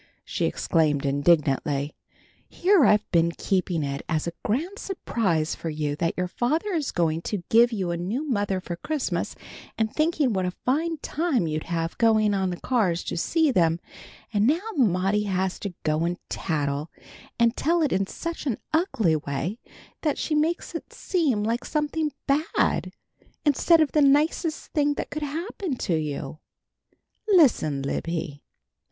she exclaimed indignantly. "Here I've been keeping it as a grand surprise for you that your father is going to give you a new mother for Christmas, and thinking what a fine time you'd have going on the cars to see them, and now Maudie has to go and tattle, and tell it in such an ugly way that she makes it seem like something bad, instead of the nicest thing that could happen to you. Listen, Libby!"